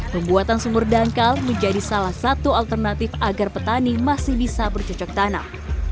pembuatan sumur dangkal menjadi salah satu alternatif agar petani masih bisa bercocok tanam